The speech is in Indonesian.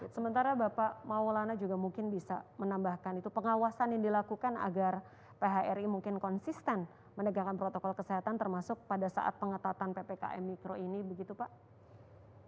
sementara bapak maulana juga mungkin bisa menambahkan itu pengawasan yang dilakukan agar phri mungkin konsisten menegakkan protokol kesehatan termasuk pada saat pengetatan ppkm mikro ini begitu pak